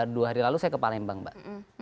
dua hari lalu saya ke palembang mbak